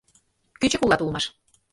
Кӱчык улат улмаш.